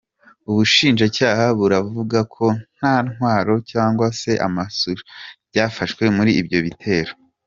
Ubushinjacyaha buravuga ko nta ntwaro cyangwa se amasasu byafashwe muri ibyo bitero.